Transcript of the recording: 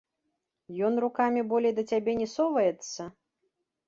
Ён рукамі болей да цябе не соваецца?